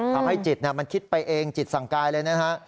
ทำให้จิตมันคิดไปเองจิตสั่งกายเลยนะฮะ